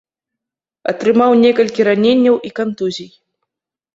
Атрымаў некалькі раненняў і кантузій.